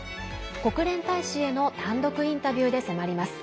国連大使への単独インタビューで迫ります。